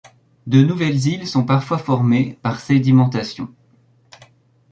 De nouvelles îles sont parfois formées par sédimentation.